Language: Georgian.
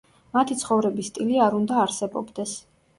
მათი ცხოვრების სტილი არ უნდა არსებობდეს.